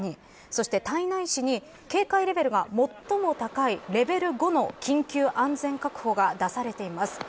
そして胎内市に警戒レベルが最も高いレベル５の緊急安全確保が出されています。